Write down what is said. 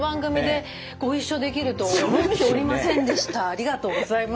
ありがとうございます。